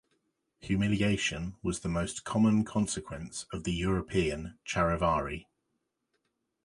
Humiliation was the most common consequence of the European charivari.